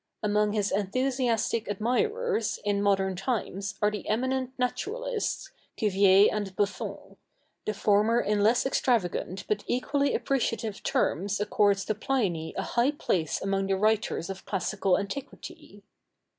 Among his enthusiastic admirers in modern times are the eminent naturalists, Cuvier and Buffon. The former in less extravagant but equally appreciative terms accords to Pliny a high place among the writers of classical antiquity.